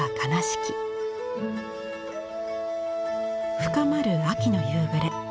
深まる秋の夕暮れ。